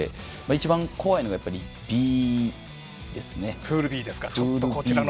一番怖いのが、やっぱりＢですね。